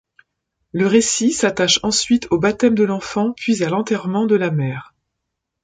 Le récit s'attache ensuite au baptême de l'enfant puis à l'enterrement de la mère.